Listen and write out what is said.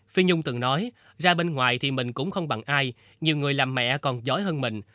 phi nhung từng nói ra bên ngoài thì mình cũng không bằng ai nhiều người làm mẹ còn giỏi hơn mình